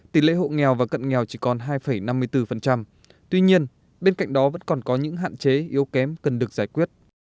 tỷ lệ hộ nghèo và cận nghèo chỉ còn hai năm mươi bốn tuy nhiên bên cạnh đó vẫn còn có những hạn chế yếu kém cần được giải quyết